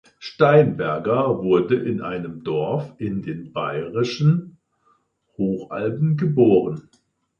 Steinberger wurde in einem Dorf in den bayerischen Hochalpen geboren.